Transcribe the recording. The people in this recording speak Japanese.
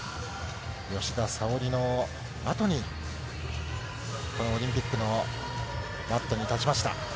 吉田沙保里のあとに、このオリンピックのマットに立ちました。